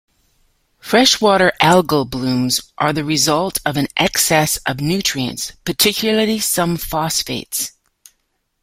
Freshwater algal blooms are the result of an excess of nutrients, particularly some phosphates.